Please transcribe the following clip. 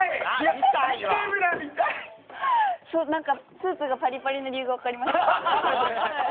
スーツがパリパリな理由が分かりました。